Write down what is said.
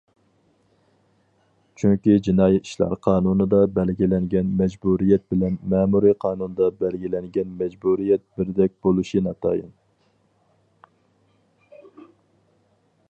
چۈنكى جىنايى ئىشلار قانۇنىدا بەلگىلەنگەن مەجبۇرىيەت بىلەن مەمۇرىي قانۇندا بەلگىلەنگەن مەجبۇرىيەت بىردەك بولۇشى ناتايىن.